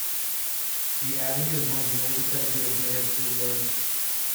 The avenue is one of the oldest ideas in the history of gardens.